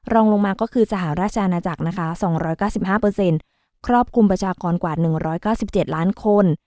รองลงมาก็คือสหราชอาณาจักรนะคะ๒๙๕ครอบคลุมประชากรกว่า๑๙๗ล้านคน